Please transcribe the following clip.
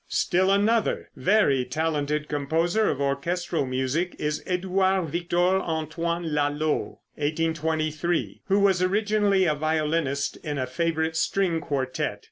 Still another very talented composer of orchestral music is Édouard Victor Antoine Lalo (1823 ), who was originally a violinist in a favorite string quartette.